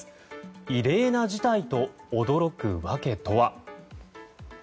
異例な事態と驚く訳とは。